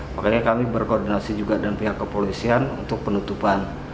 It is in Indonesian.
makanya kami berkoordinasi juga dengan pihak kepolisian untuk penutupan